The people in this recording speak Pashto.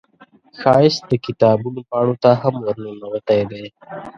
ښایست د کتابونو پاڼو ته هم ورننوتی دی